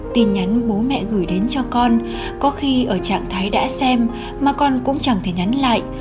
tin nhắn bố mẹ gửi đến cho con có khi ở trạng thái đã xem mà con cũng chẳng thể nhắn lại